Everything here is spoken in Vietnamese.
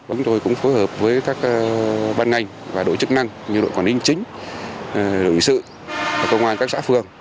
chúng tôi cũng phối hợp với các ban ngành và đội chức năng như đội quản lý chính đội hình sự công an các xã phường